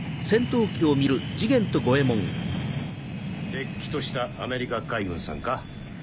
れっきとしたアメリカ海軍さんか。